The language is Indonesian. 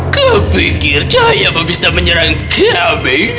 kau pikir cahayamu bisa menyerang kami